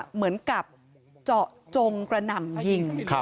เหมือนกับเจาะจงกระหน่ำยิง